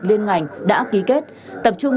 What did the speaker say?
liên ngành đã ký kết tập trung